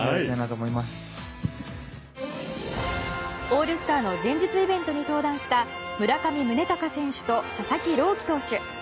オールスターの前日イベントに登壇した村上宗隆選手と佐々木朗希投手。